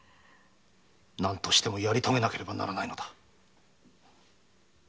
何としてもやり遂げねばならないのだ。